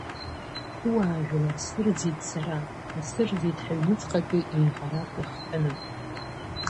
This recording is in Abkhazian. Суаажәлар сырӡит сара, исырӡит ҳаҩнуҵҟатәи еиӷарак иахҟьаны.